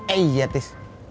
eh ya tis